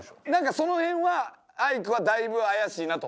そのへんはアイクはだいぶ怪しいなと。